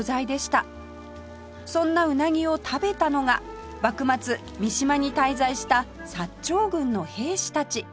そんなうなぎを食べたのが幕末三島に滞在した薩長軍の兵士たち